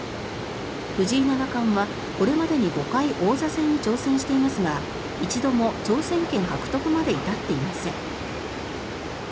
藤井七冠は、これまでに５回王座戦に挑戦していますが一度も挑戦権獲得まで至っていません。